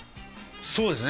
そうですね。